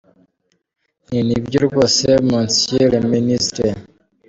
Nti ni byo rwose Monsieur le Ministre.